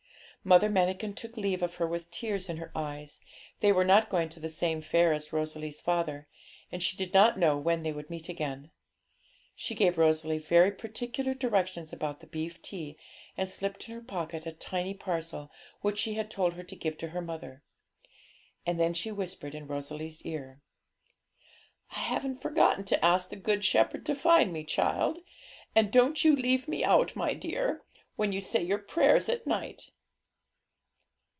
Mother Manikin took leave of her with tears in her eyes; they were not going to the same fair as Rosalie's father, and she did not know when they would meet again. She gave Rosalie very particular directions about the beef tea, and slipped in her pocket a tiny parcel, which she told her to give to her mother. And then she whispered in Rosalie's ear 'I haven't forgotten to ask the Good Shepherd to find me, child; and don't you leave me out, my dear, when you say your prayers at night.'